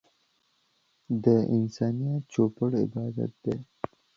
د انسانيت چوپړ عبادت دی.